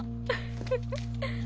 ウフフフ！